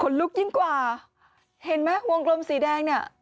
ลุกยิ่งกว่าเห็นไหมวงกลมสีแดงเนี่ย